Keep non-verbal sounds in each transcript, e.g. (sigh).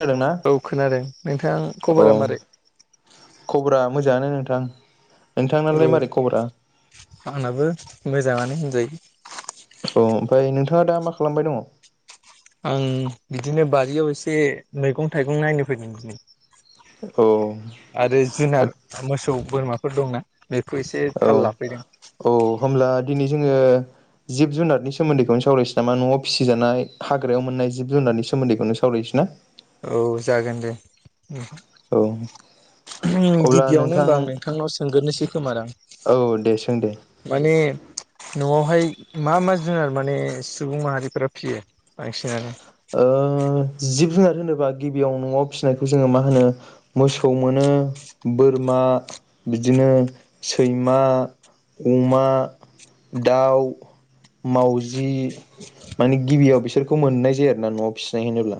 खोनादोंना औ खोनादों नोंथां औ खबरा मारै? खबरा मोजाङानो नोंथां नोंथांनालाय औ मारै खबरा आंनाबो मोजाङानो (unintelligible) अह ओमफ्राय नोंथाङा दा मा खालामबाय दङ? आं बिदिनो बारियाव एसे मैगं थाइगं नायनो फैदों नै आरो जुनार मोसौ बोरमा फोर दंना बेखौ एसे औ थाल लाफैदों औ होमब्ला दिनै जोङो जिब जुनारनि सोमोन्दैखौनो सावरायनोसै नामा न'आव फिसिजानाय हाग्रायाव मोननाय जिब जुनारनि सोमोन्दैखौनो सावरायनोसै ना? औ जागोन दे। औ अब्ला गिबियावनो नोंथां होनबा आं नोंथांनाव सोंगोरनोसै खोमा दां औ दे सों दे माने न'आवहाय मा मा जुनार माने सुबुं माहारिफोरा फियो बांसिनानो? ओ जिब जुनार होनोबा गिबियाव न'आव फिसिनायखौ जोङो मा होनो मोसौ मोनो, बोरमा, बिदिनो सैमा, अमा, दाउ, मावजि, माने गिबियाव बिसोरखौ मोननाय जायो आरो दा न'आव फिसिनाय होनोब्ला।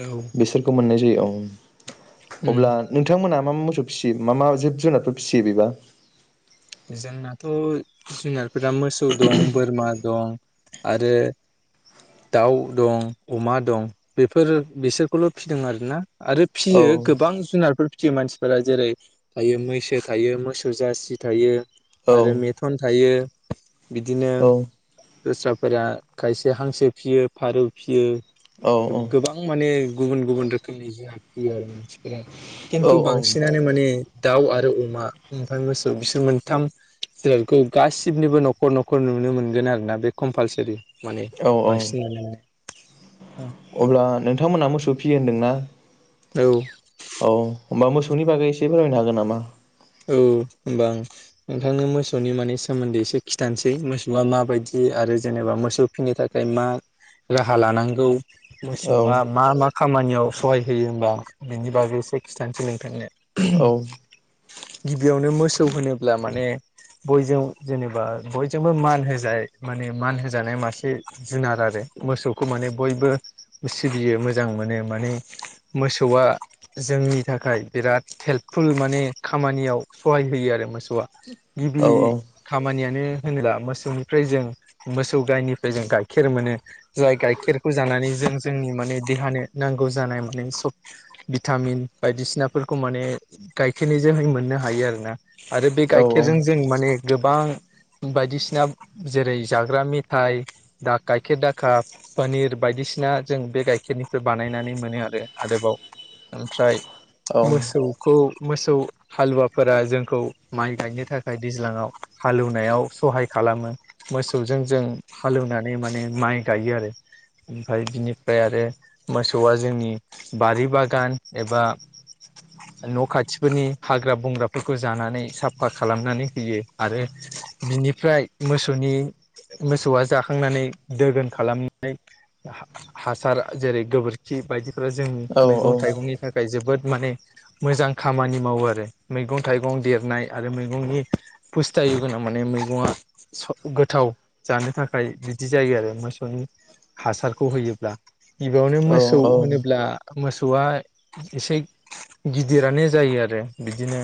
औ बिसोरखौ मोननाय जायो औ। अब्ला नोंथांमोना मा फियो मा मा जिब जुनारफोर फिसियो बेबा? जोंनाथ' जुनार फ्रा मोसौ दं, बोरमा दं आरो दाउ दं, अमा दं बेफोर बिसोरखौल' फिदों आरो ना आरो औ फिसियो गोबां जुनारफोर फियो मानसिफोरा जेरै थायो मैसो थायो, मोसौ जारसि थायो औ आरो मेथन थायो बिदिनो औ दस्राफोरा खायसे हांसो फियो फारौ फियो। औ गोबां माने गुबुन गुबुन रोखोमनि जुनार (unintelligible) औ खिन्थु बांसिनानो माने दाउ आरो अमा ओमफ्राय मोसौ बिसोर मोनथाम जिरादखौ गासिबनिबो न'खर न'खर नुनो मोनगोन आरोना बे कम्पालसारि माने औ औ बांसिनानो अब्ला नों थांमोनहा मोसौ फियो होनदों ना? औ। औ होनबा मोसौनि बागै एसे फोरमायनो हागोन नामा? औ होमबा आम नोंथांनो मोसौनि माने सोमोन्दै एसे खिथानोसै मोसौआ माबायदि आरो जेनेबा मोसौ फिनो थाखाय मा राहा लानांगौ मोसौ औ आ मा मा - खामानियाव सहाय होयो होमबा बेनि बागै एसे खिथानसै नोंथाङनो औ गिबियावनो मोसौ होनोब्ला माने बयजों जेनेबा बयजोंबो मान होजाय माने मान होजानाय मासे जुनार आरो मोसौखौ माने बयबो सिबियो मोजां मोनो माने मोसौआ जोंनि थाखाय बिराद हेल्पफुल माने खामानियाव सहाय होयो आरो मोसौ वा औ गिबि खामानिया मानो होनोबा मोसौनिफ्राय जों मोसौ गायनिफ्राय जों गाइखेर मोनो जाय गाइखेरखौ जानानै जों जोंनि माने देहानो नांगौ जानाय मान सब भिटामिन बायदिसिनाफोरखौ माने गाइखेर निजोहै मोननो हायो आरो ना आरो बे औ गाइखेरजों जों माने गोबां बायदिसिना जेरै जाग्रा मेथाय दा गाइखेर दाखा पोनिर बायदिसिना जों बे गाइखेरनिफ्राय बानायनानै मोनो आरो आदबाव ओमफ्राय औ मोसौखौ- मोसौ हालुवाफोरा जोंखौ माइ गायनो थाखाय दैज्लाङाव हालौवनायाव सहाय खालामो मोसौजों जों हालौवनानै माने माइ गायो आरो ओमफाय बिनिफ्राय आरो मोसौआ जोंनि बारि बागान एबा न' खाथ खाथिफोरनि हाग्रा बंग्राफोरखौ जानानै साफा खालामनानै होयो आरो बिनिफ्राय मोसौनि मोसौआ जाखांनानै दोगोन खालामनाय हासार जेरै गोबोरखि बायदि बेफेरो जों औ औ मैगं थाइगंनि थाखाय जोबोद माने मोजां- खामानि मावो आरो मैगं थाइगं देरनाय आरो मैगंनि फुसथायि माने मैगङा गोथाव जानो थाखाय बिदि जायो आरो मोसौनि हासारखौ होयोब्ला- गिबियावनो मोसौ होनोब्ला मोसौआ इसे गिदिरानो जायो आरो- बिदिनो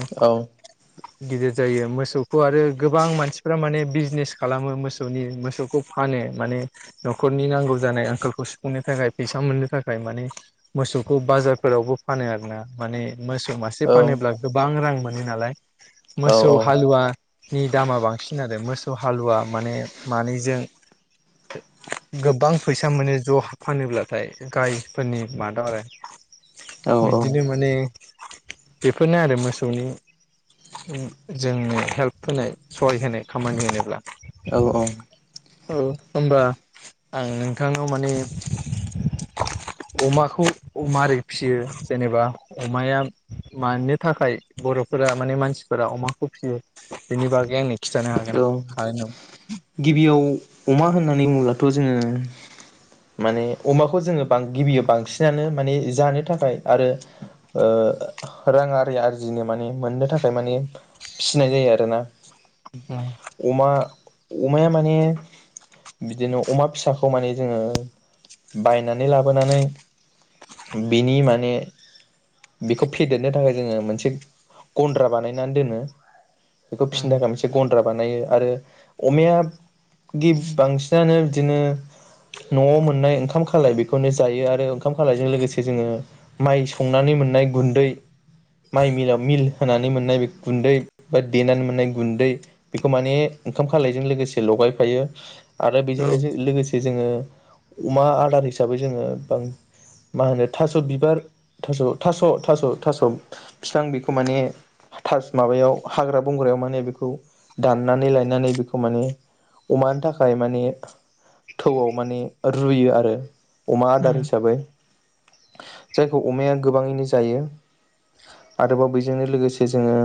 गिदिर जायो मोसौखौ आरो गोबां मानसिफ्रा माने बिजनेस खालामो मोसौनि मोसौखौ फानो माने न'खरनि नांगौ जानाय आंखालखौ सुफुंनो थाखाय फैसा मोननो थाखाय माने मोसौखौ बाजारफोरावबो फानो आरो ना माने मोसौ मान फानोब्ला गोबां रां मोनो नालाय। मोसौ हालुवा नि दामा बांसिन आरो मोसौ हालुवा माने मानैजों गोबां फैसा माने ज' फानोब्लाथाय गायफोरनि मादाव आरो बिदिनो माने बेफोरनो आरो मोसौनि जोंनो हेल्प होनाय सहाय होनाय खामानि होनोब्ला औ औ ओनबा आं नोंथांनाव माने अमाखौ माबोरै फिसियो जेनेबा अमाया मानो थाखाय बर'फोरा माने मानसिफोरा अमाखौ फिसियो बेनि बागै आंनो खिन्थानो औ हागोन (unintelligible) गिबियाव अमा होननानै बुङोब्लाथ' जोङो माने अमाखौ जोङो गिबियाव बांसिनानो माने जानो थाखाय आरो रां आरि आरजिनो माने मोननो थाखाय माने फिसिनाय जायो आरोना। अमा अमाया माने बिदिनो अमा फिसाखौ माने जोङो बायनानै लाबोनानै बिनि माने बिखौ फेदेरनो थाखाय जोङो मोनसे गन्द्रा बानायनानै दोनो। बेखौ फिसिनो थाखाय मोनसे गन द्रा बानायो आरो अमाया गिब बांसिनानो बिदिनो न'आव मोननाय ओंखाम खालाय बेखौनो जायो आरो ओंखाम खालायजों लोगोसे जोङो माइ संनानै मोननाय गुन्दै माइ मिलाव मिल होनानै मोननाय बे गुन्दै बा देनानै मोननाय गुन्दै बेखौ माने- ओंखाम खालायजों लोगोसे लगायफायो। आरो बेजों-बेजों लोगोसे जोङो अमा आदार हिसाबै जोङो बां मा होनो थास' बिबार थास' थास' थास' थास' फिफां माने थास माबायाव हाग्रा बंग्रायाव माने बेखौ दाननानै लाय लायनानै बेखौ माने अमानि थाखाय माने थौआव माने रुयो आरो । अमा आदार हिसाबै । जायखौ अमाया गोबाङैनो जायो आरोबाव बैजोंनो लोगोसे जोङो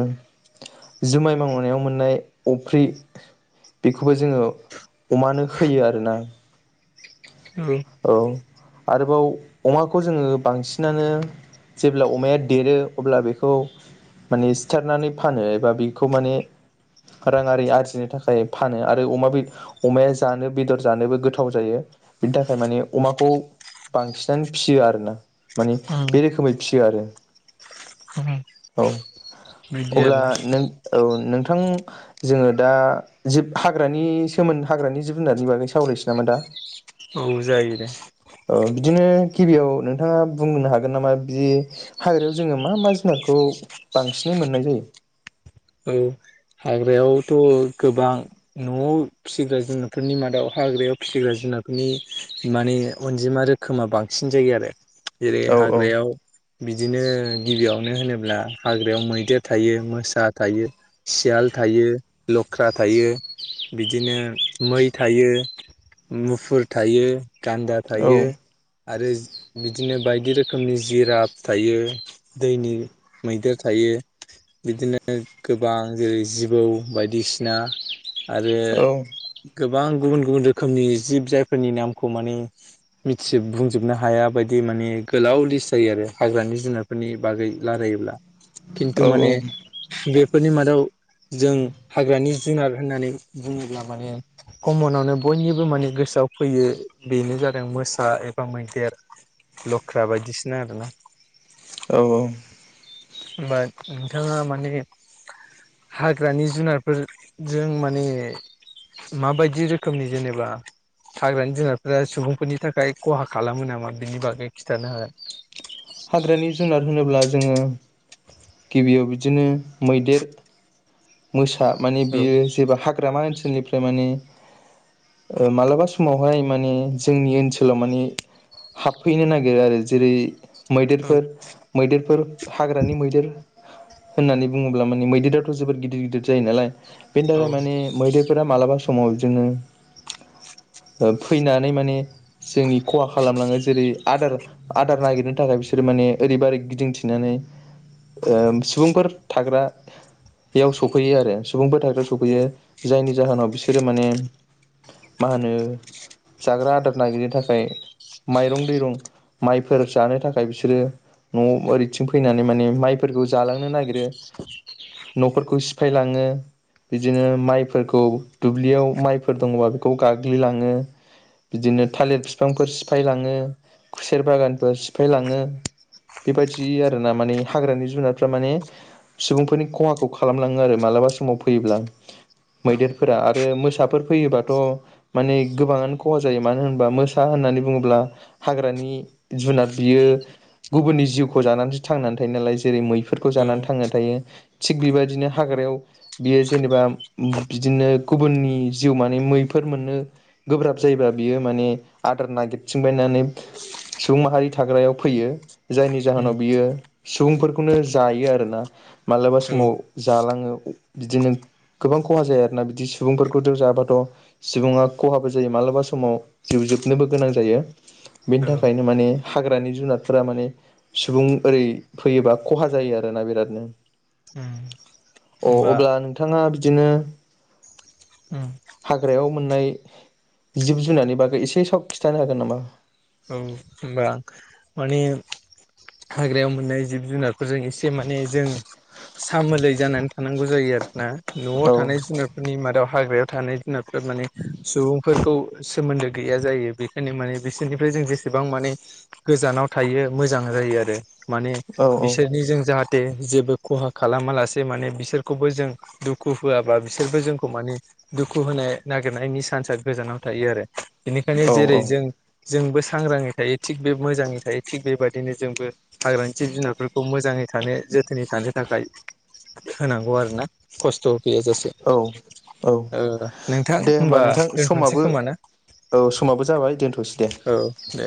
जुमाय मावनायाव मोननाय अफ्रि बेखौबो जोङो अमानो होयो आरोना । औ । आरोबाव अमाखौ जोङो बांसिनानो जेब्ला अमाया देरो अब्ला बेखौ माने सिथारनानै फानो एबा बेखौ माने राङारि आरजि जिनो थाखाय फानो आरो अमा बे अमाया जानो बेदर जानोबो गोथाव जायो बिनि थाखाय माने अमाखौ बांसिनानो फिसियो आरोना । माने औ बे रोखोमै फिसियो आरो औ । (inaudible) औ बिदि अब्ला आरोना नों औ नों । थां जोङो दा जिब हाग्रानि सोमोन्दै हाग्रानि जिब जुनारनि बागै सावरायसै नामा दा । औ जायो दे । औ बिदिनो गिबियाव नोंथाङा बुंनो हागोन नामा बि हाग्रायाव जोङो मा मा जुनारखौ बांसिनै मोननाय जायो । औ हाग्रायावथ' गोबां न'आव फिसिग्रा जुनारफोरनि मादायाव हाग्रायाव फिसिग्रा जुनारफोरनि माने अनजिमा रोखोमा बांसिन जायो आरो । जेरै औ हाग्रायाव बिदिनो गिबियावनो होनोब्ला हाग्रायाव मैदेर थायो मोसा थायो सियाल थायो, लख्रा थायो बिदिनो मै थायो मुफुर थायो । गान्दा औ थायो । आरो बिदिनो बायदि रोखोमनि जिराफ थायो दैनि मैदेर थायो बिदिनो गोबां जेरै जिबौ बायदिसिना आरो औ गोबां गुबुन गुबुन रोखोमनि जिब जायफोरनि नामखौ माने मिथिजोब बुंजोबनो हाया बायदि माने गोलाव लिस्ट जायो आरो हाग्रानि जुनारफोरनि बागै रायलायोब्ला । औ औ । बेफोरनि मादाव जों हाग्रानि जुनार होननानै बुङोब्ला माने कमनावनो बयनिबो माने गोसोआव फैयो बेनो जादों मोसा एबा मैदेर लख्रा बायदिसिना आरोना । औ औ । होनबा नोंथाङा माने हाग्रानि जुनारफोरजों माने माबायदि रोखोमनि जेनेबा हाग्रानि जुनारफोरा सुबुंफोरनि थाखाय खहा खालामो नामा बिनि बागै खिन्थानो हागोन । हाग्रानि जुनार होनोब्ला जोङो गिबियाव (unintelligible) बिदिनो मैदेर, मोसा मानि बियो हागोन जेबो हाग्रा ओनस ओनसोलनिफ्राय माने मालाबा समावहाय माने जोंनि ओनसोलाव माने हाबफैनो नागिरो आरो जेरै मैदेरफोर मैदेरफोर हाग्रानि मैदेर होननानै बुङोब्ला माने मैदेराथ' जोबोर गिदिर गिदिर जायो नालाय । बेनि औ थाखाय माने मैदेरफोरा मालाबा समाव जोङो ओ फैनानै माने जोंनि खहा खालामलाङो जेरै आदार आदार ना थाखाय बिसोरो माने ओरैबा ओै गिदिंथिनानै ओ सुबुंफोर थाग्रायाव सफैयो आरो। सुबुंफोर थाग्राआव सौफैयो जायनि जाहोनाव बिसोरो माने मा होनो जाग्रा आदार नागिरनो थाखाय माइरं दैरं माइफोर जानो थाखा खाय बिसोरो न'आव ओरैथिं फैनानै माने माइफोरखौ जालांनो नागिर रो न' फोर खौ सिफायलांओ बिदिनो माइ फोरखौ दुब्लिआव माइ फोर दंब्ला बेखौ गाग्लि लांओ बिदिनो थालिर फिफां फोर सिफाय लांओ खुसेर बागान फोर सि फाय लाङो बेबायदि आर ना माने हाग्रानि जुनारफ्रा माने सुबुंफोरनि खहाखौ खालामलाङो आरो मालाबा समाव फैयोब्ला। औ मैदेरफोरा आरो मोस साफोर फैयोबाथ' माने गोबाङानो खहा जायो मानो होनोबा मोसा होननानै बुङोब्ला हाग्रानि जुनाद। बियो गुबुननि जिउखौ जानानैसो थांनानै थायो नालाय जेरै मै बेफोरखौ औ जानानै थांना थायो। थिग बेबायदिनो हाग्रायाव बियो जेनेबा उ बिदिनो गुबुननि जिउ माने मैफोर मोननो गोब्राब जायोबा बियो माने आदार नागिरथिंबायनानै सुबुं माहारि थाग्रायाव फैयो। जायनि जाहोनाव उम बियो सुबुंफोरखौनो जायो आरोना। मालाबा औ समाव जालाङो। बिदिनो गोबां खहा जायो आरोना बिदि सुबुंफोरखौ ज' जायाबाथ' सुबुङा खहाबो जायो माबलाबा समाव जिउ जोबनोबो गोनां जायो बेनि औ थाखायनो माने हाग्रानि जुनारफोरा माने सुबुं ओरै फैयोबा खहा जायो आरोना बिरादनो उम अ होमबा अब्ला नोंथाङा बिदिनो उम हाग्रायाव मोननाय जिब जुनार बागै एसे सथ खिन्थानो हागोन नामा औ होनबा माने हाग्रायाव मोननाय जिब जुनारफोरजों एसे माने जों सामोलै जानानै थानांगौ जायो आरोना न'आव औ थानाय जुनारफोरनि मादाव हाग्रायाव थानाय जुनादफोर माने सुबुंफोरखौ सोमोन्दो गैया जायो बेखायनो माने बिसोरनि ओमफ्राय जों जेसेबां माने गोजानाव थायो मोजां जायो आरो माने औ बिसोरनि जों जाहाथे थे जेबो खहा खालामा लासे माने बिसोरखौबो जों दुखु होआबा बिसोरबो जोंखौ माने दुखु होनो नागिरनायनि सान्सआ गोजानाव थायो आरो। बेनिखायनो जेरै औ जों जोंबो सांग्राङै थायो थिग बे मोजाङै थायो थिग बेबाददिनो जोंबो हाग्रानि जिब जुनारफोरखौ मोजाङै थानो जोथोनै थानो थाखाय होनांगौ आरो ना खस्थ' गैयाजासे औ औ ओ नोंथां दे होनबा होमबा नोंथां दोनथ'नोसै समाबो खोमा ना औ समाबो जाबाय दोनथ'सै दे। औ दे